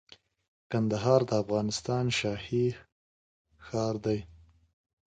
کندهار د افغانستان شاهي ښار دي